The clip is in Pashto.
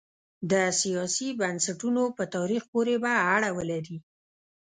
د سیاسي بنسټونو په تاریخ پورې به اړه ولري.